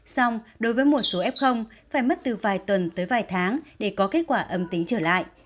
xong đối với một số f phải mất từ vài tuần tới vài tháng để có kết quả âm tính trở lại